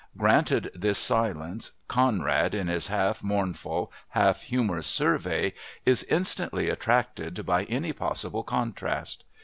Granted this silence, Conrad in his half mournful, half humorous survey, is instantly attracted by any possible contrast.